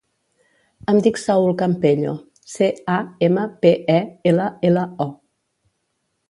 Em dic Saül Campello: ce, a, ema, pe, e, ela, ela, o.